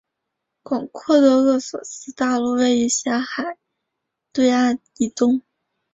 广阔的厄索斯大陆位于狭海对岸以东。